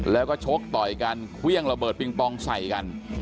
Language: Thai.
แล้วก็ชกต่อยกันเครื่องระเบิดปิงปองใส่กัน